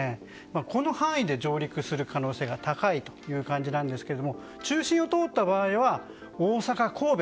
この範囲で上陸する可能性が高いという感じなんですが中心を通った場合は大阪、神戸。